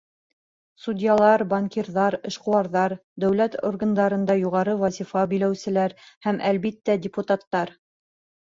Судьялар, банкирҙар, эшҡыуарҙар, дәүләт органдарында юғары вазифа биләүселәр һәм, әлбиттә, депутаттар.